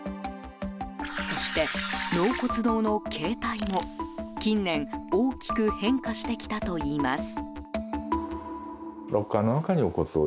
そして納骨堂の形態も、近年大きく変化してきたといいます。